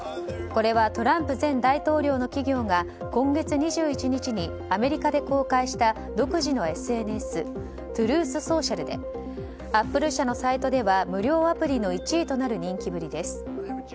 これはトランプ前大統領の企業が今月２１日にアメリカで公開した独自のＳＮＳＴｒｕｔｈＳｏｃｉａｌでアップル社のサイトでは無料アプリの１位となる人気ぶりです。